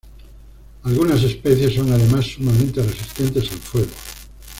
Algunas especies son además sumamente resistentes al fuego.